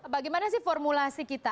bagaimana sih formulasi kita